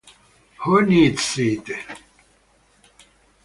Who needs it?